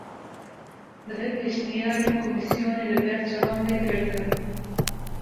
Divê pêşniyarên komîsyonê li ber çavan bên girtin